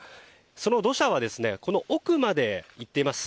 その土砂はこの奥まで行っています。